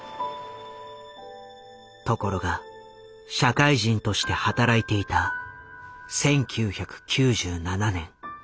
ところが社会人として働いていた１９９７年。